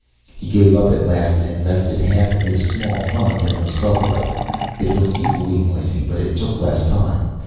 He gave up at last and invested half his small fund in a subway. It was equally noisy, but it took less time.